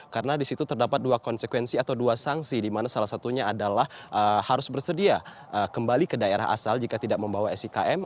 karena di situ terdapat dua konsekuensi atau dua sanksi di mana salah satunya adalah harus bersedia kembali ke daerah asal jika tidak membawa sikm